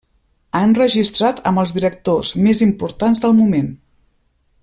Ha enregistrat amb els directors més importants del moment.